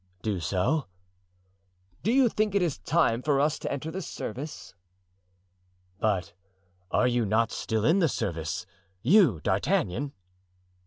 "Do so." "Do you think it is time for us to enter the service?" "But are you not still in the service—you, D'Artagnan?"